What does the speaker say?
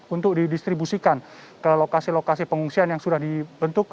untuk didistribusikan ke lokasi lokasi pengungsian yang sudah dibentuk